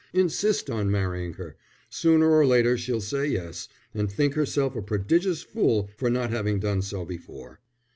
Insist on marrying her. Sooner or later she'll say yes, and think herself a prodigious fool for not having done so before."